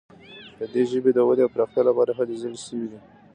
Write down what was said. د دې ژبې د ودې او پراختیا لپاره هلې ځلې شوي دي.